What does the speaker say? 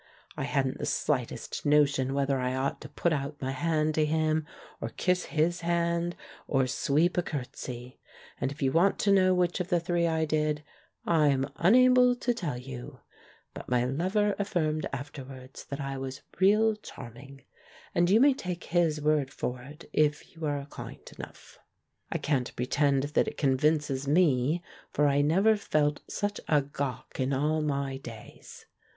I hadn't the slightest notion whether I ought to put out my hand to him, or kiss his hand, or sweep a curtsey. And if you want to know which of the THE PRINCE IN THE FAIRY TALE 221 three I did, I'm unable to tell you ; but my lover affirmed afterwards that I was "real charming" — and you may take his word for it, if you are kind enough. I can't pretend that it convinces me, for I never felt such a gawk in all my days.